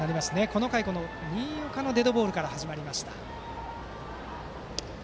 この回、新岡のデッドボールから始まりました。